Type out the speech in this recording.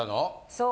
そう。